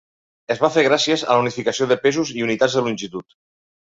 El va fer gràcies a la unificació de pesos i unitats de longitud.